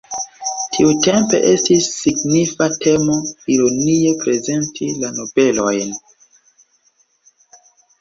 Tiutempe estis signifa temo ironie prezenti la nobelojn.